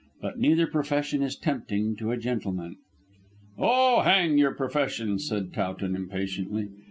But neither profession is tempting to a gentleman." "Oh, hang your profession," said Towton impatiently.